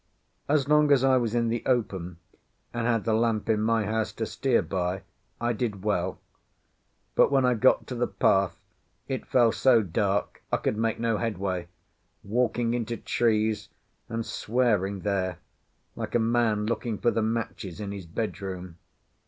As long as I was in the open, and had the lamp in my house to steer by, I did well. But when I got to the path, it fell so dark I could make no headway, walking into trees and swearing there, like a man looking for the matches in his bed room.